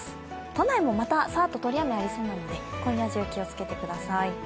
都内もまたさーっと通り雨ありそうなので今夜中、気をつけてください。